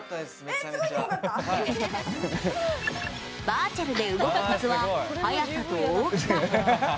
バーチャルで動くコツは速さと大きさ。